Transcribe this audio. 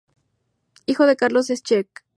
Hijo de Carlos Scheck.